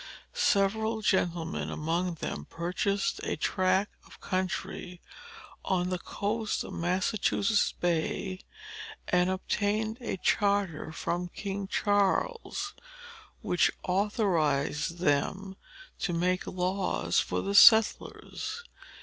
Several gentlemen among them purchased a tract of country on the coast of Massachusetts Bay, and obtained a charter from King Charles, which authorized them to make laws for the settlers.